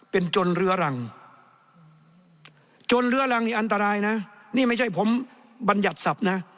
เป็นจนเรื้อรังจนเรื้อรังนี่อันตรายนะนี่ไม่ใช่ผมบรรยัติศัพท์นะ